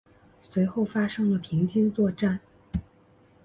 随后发生了平津作战。